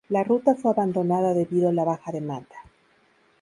La ruta fue abandonada debido a la baja demanda.